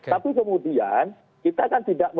tapi kemudian kita kan tidak